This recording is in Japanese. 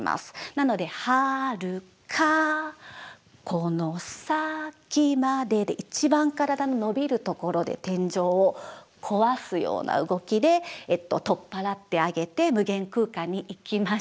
なので「遥かこの先まで」で一番体の伸びるところで天井を壊すような動きで取っ払ってあげて無限空間に行きました。